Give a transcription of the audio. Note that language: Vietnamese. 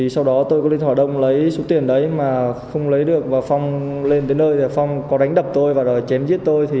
sau đó tôi có điện thoại đông lấy số tiền đấy mà không lấy được và phong lên tới nơi phong có đánh đập tôi và chém giết tôi